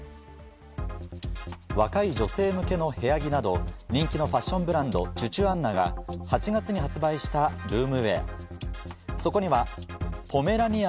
若い女性向けの部屋着など、人気のファッションブランド、チュチュアンナが８月に発売したルームウェア。